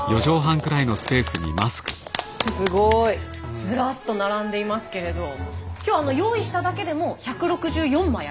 すごい。ずらっと並んでいますけれど今日用意しただけでも１６４枚あります。